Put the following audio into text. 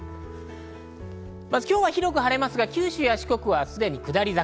今日は広く晴れますが、九州や四国はすでに下り坂。